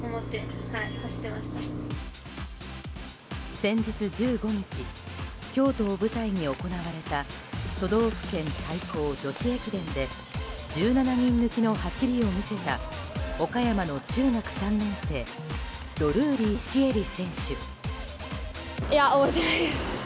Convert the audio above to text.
先日１５日京都を舞台に行われた都道府県対抗女子駅伝で１７人抜きの走りを見せた岡山の中学３年生ドルーリー朱瑛里選手。